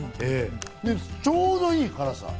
で、ちょうどいい辛さ。